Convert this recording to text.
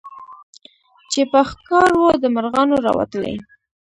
چي په ښکار وو د مرغانو راوتلی